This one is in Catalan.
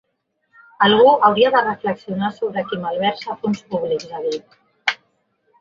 Algú hauria de reflexionar sobre qui malversa fons públics, ha dit.